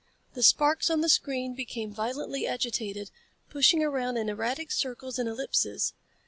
The sparks on the screen became violently agitated, pushing around in erratic circles and ellipses.